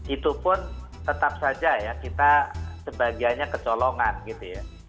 itu pun tetap saja ya kita sebagiannya kecolongan gitu ya